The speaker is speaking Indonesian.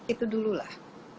itu dulu lah